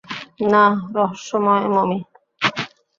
না, রহস্যময় মমি!